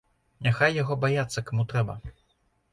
Няхай яго баяцца каму трэба!